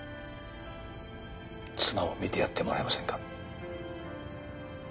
妻を診てやってもらえませんか？